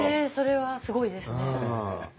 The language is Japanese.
それはすごいですね。